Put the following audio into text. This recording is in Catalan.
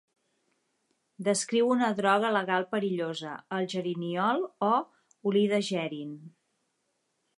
Descriu una droga legal perillosa, el "geriniol" o "olí de gerin".